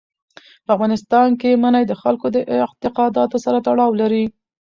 په افغانستان کې منی د خلکو د اعتقاداتو سره تړاو لري.